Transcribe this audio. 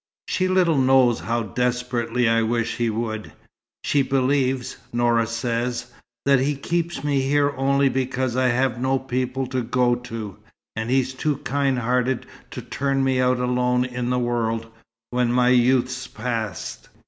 She little knows how desperately I wish he would. She believes Noura says that he keeps me here only because I have no people to go to, and he's too kind hearted to turn me out alone in the world, when my youth's past.